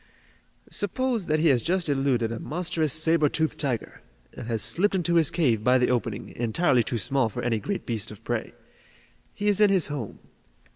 "Suppose that he has just eluded a monstrous saber toothed tiger, and has slipped into his cave by the opening, entirely too small for any great beast of prey. He is in his home.